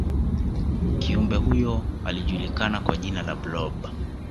kiumbe huyo alijulikana kwa jina la blob